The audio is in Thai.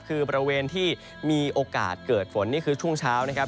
คือบริเวณที่มีโอกาสเกิดฝนนี่คือช่วงเช้านะครับ